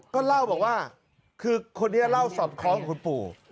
ก็เล่าบอกว่าคือคนนี้เล่าสอดคล้องกับคุณปู่